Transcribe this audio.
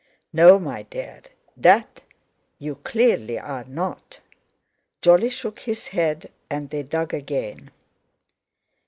"No, my dear, that you clearly are not." Jolly shook his head, and they dug again.